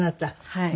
はい。